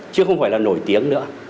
chứ không phải là nổi tiếng nữa